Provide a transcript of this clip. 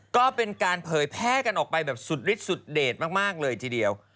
ก็เป็นการเผยแพร่กันออกไปแบบสุดฤทธสุดเด็ดมากเลยทีเดียว